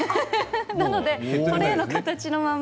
だからトレーの形のまま。